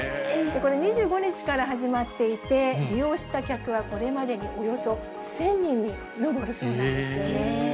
これ２５日から始まっていて、利用した客はこれまでにおよそ１０００人に上るそうなんですよね。